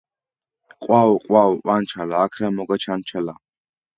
ყვაო ყვაო ყვანჩალა აქ რამ მოგაჩანჩლა